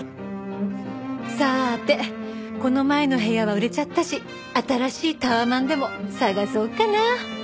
さあてこの前の部屋は売れちゃったし新しいタワマンでも探そうかな。